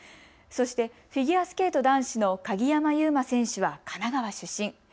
そしてフィギュアスケート男子の鍵山優真選手は神奈川出身。